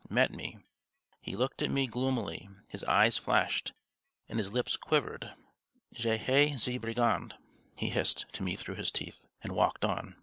met me; he looked at me gloomily, his eyes flashed and his lips quivered. "Je haïs ces brigands!" he hissed to me through his teeth, and walked on.